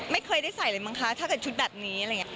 ไม่เคยได้ใส่เลยมั้งคะถ้าเกิดชุดแบบนี้อะไรอย่างนี้